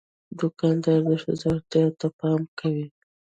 دوکاندار د ښځو اړتیا ته پام کوي.